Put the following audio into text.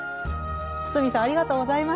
堤さんありがとうございました。